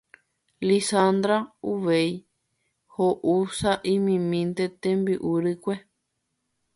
Lizandra uvei ho'u sa'imimínte tembi'u rykue